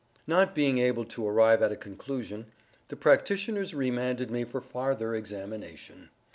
Not being able to arrive at a conclusion, the practitioners remanded me for farther examination.